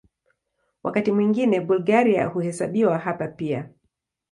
Wakati mwingine Bulgaria huhesabiwa hapa pia.